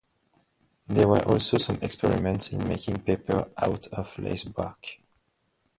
There were also some experiments in making paper out of lacebark.